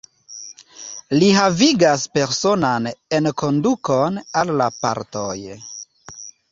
Li havigas personan enkondukon al la partoj.